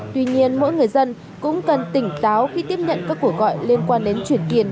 tuy nhiên mỗi người dân cũng cần tỉnh táo khi tiếp nhận các cuộc gọi liên quan đến chuyển tiền